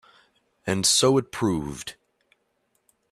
And so it proved.